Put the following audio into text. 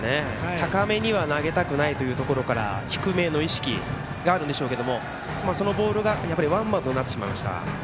高めに投げたくないところから低めへの意識があるんでしょうがそのボールがワンバウンドになってしまいました。